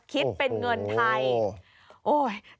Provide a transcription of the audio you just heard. คิดเป็นเงินไทย